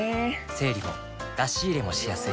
整理も出し入れもしやすい